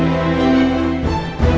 itu muda aku